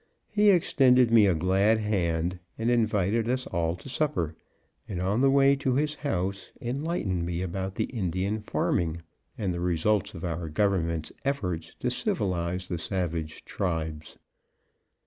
He extended me a glad hand, and invited us all to supper, and on the way to his house, enlightened me about Indian farming, and the results of our Government's efforts to civilize the savage tribes.